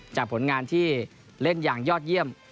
ผลงานที่เล่นอย่างยอดเยี่ยม